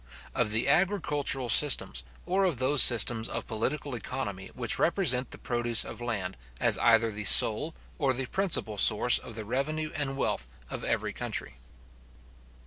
OF THE AGRICULTURAL SYSTEMS, OR OF THOSE SYSTEMS OF POLITICAL ECONOMY WHICH REPRESENT THE PRODUCE OF LAND, AS EITHER THE SOLE OR THE PRINCIPAL SOURCE OF THE REVENUE AND WEALTH OF EVERY COUNTRY.